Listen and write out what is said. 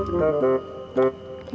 sampai jumpa nanti